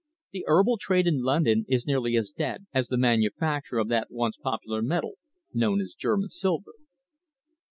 The herbal trade in London is nearly as dead as the manufacture of that once popular metal known as German silver.